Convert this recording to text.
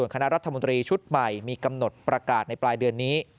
คณะรัฐมนตรีชุดใหม่มีกำหนดประกาศในปลายเดือนนี้